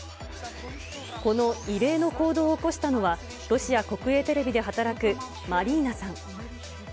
この異例の行動を起こしたのは、ロシア国営テレビで働くマリーナさん。